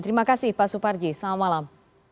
terima kasih pak suparji selamat malam